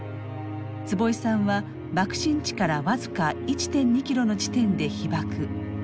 坪井さんは爆心地から僅か１．２キロの地点で被爆。